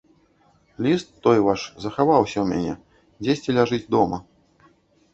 Ліст той ваш захаваўся ў мяне, дзесьці ляжыць дома.